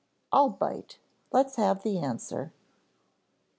"I'll bite, let's have the answer."